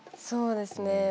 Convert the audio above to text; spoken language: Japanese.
そうですね